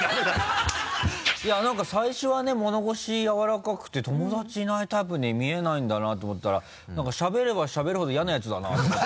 何か最初はね物腰やわらかくて友達いないタイプには見えないんだなと思ったら何かしゃべればしゃべるほど嫌なヤツだなと思って。